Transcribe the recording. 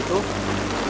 gak usah berpikirin hal itu